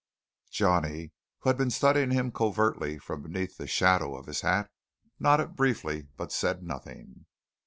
Johnny, who was studying him covertly from beneath the shadow of his hat, nodded briefly, but said nothing.